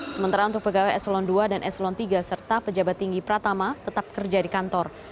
sementara untuk pegawai eselon dua dan eselon tiga serta pejabat tinggi pratama tetap kerja di kantor